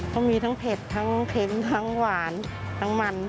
เขามีทั้งเผ็ดทั้งเค็มทั้งหวานทั้งมัน